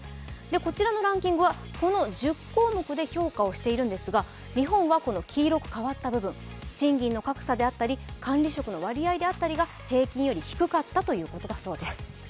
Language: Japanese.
こちらのランキングはこの１０項目で評価をしているんですが日本は黄色く変わった部分、賃金の格差であったり、管理職の割合であったりが平均より低かったということだそうです。